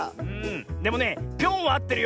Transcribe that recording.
でもね「ぴょん」はあってるよ。